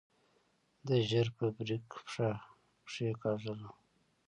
ده ژر په بريک پښه کېکاږله.